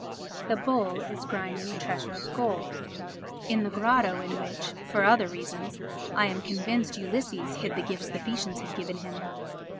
[The bull is grinding a treasure of gold] in the grotto in which (for other reasons) I am convinced Ulysses hid the gifts the Phœacians had given him.